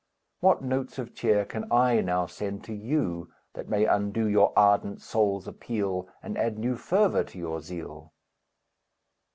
What notes of cheer can I now send to you, That may unto your ardent souls appeal, And add new fervor to your zeal?